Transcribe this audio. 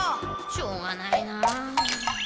しょうがないな。